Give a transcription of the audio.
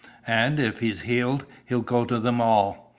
And, if he's heeled he'll go to them all.